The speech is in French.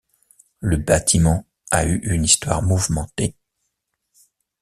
Le bâtiment a eu une histoire mouvementée.